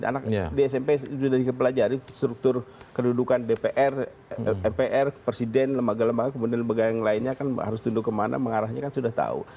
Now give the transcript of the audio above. anak di smp sudah dipelajari struktur kedudukan dpr mpr presiden lembaga lembaga kemudian lembaga yang lainnya kan harus tunduk kemana mengarahnya kan sudah tahu